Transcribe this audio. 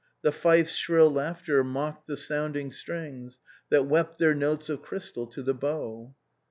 The fife's shrill laughter mocked the sounding strings That wept their notes of crystal to the bow.